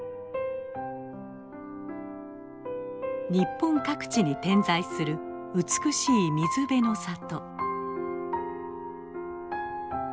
ニッポン各地に点在する美しい水辺の里。